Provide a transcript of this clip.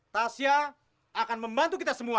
tasya akan membantu kita semua